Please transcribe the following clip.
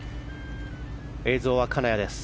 映像は金谷です。